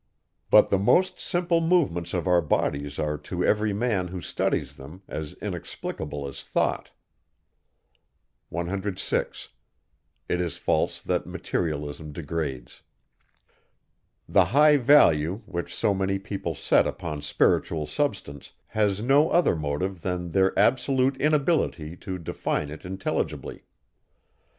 But the most simple movements of our bodies are to every man, who studies them, as inexplicable as thought. 106. The high value, which so many people set upon spiritual substance, has no other motive than their absolute inability to define it intelligibly.